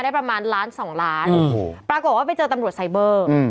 ประมาณล้านสองล้านโอ้โหปรากฏว่าไปเจอตำรวจไซเบอร์อืม